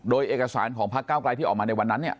โดยเอกสารของพักเก้าไกลที่ออกมาในวันนั้นเนี่ย